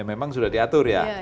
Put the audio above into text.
memang sudah diatur ya